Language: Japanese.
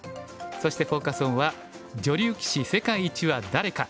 そしてフォーカス・オンは「女流棋士世界一は誰か！